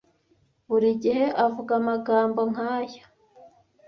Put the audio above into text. Buri gihe avuga amagambo nkaya!